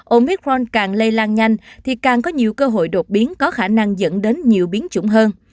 omicron càng lây lan nhanh thì càng có nhiều cơ hội đột biến có khả năng dẫn đến nhiều biến chủng hơn